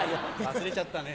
忘れちゃったね。